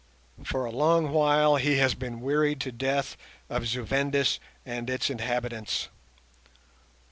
For a long while he has been wearied to death of Zu Vendis and its inhabitants.